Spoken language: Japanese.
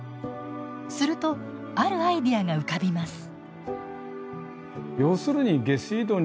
するとあるアイデアが浮かびます。